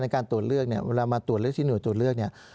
ในการตรวจเลือกเวลามาตรวจเลือกที่หน่วยตรวจเลือก